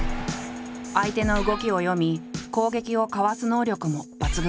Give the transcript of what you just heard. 相手の動きを読み攻撃をかわす能力も抜群だ。